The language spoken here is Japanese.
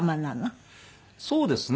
そうですね。